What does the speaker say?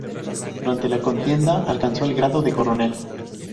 Durante la contienda alcanzó el grado de coronel.